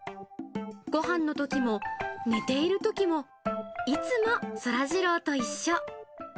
ごはんのときも、寝ているときも、いつもそらジローと一緒。